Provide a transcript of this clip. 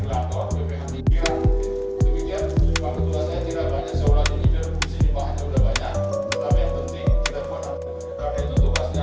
dan dari pihak pemerintah kementerian sdm juga regulator bph tiga